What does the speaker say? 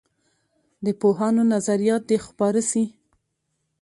د پوهانو نظریات دې خپاره سي.